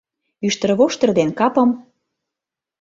Ӱштервоштыр ден капым